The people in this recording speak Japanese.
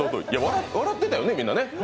笑ってたよね、みんなね。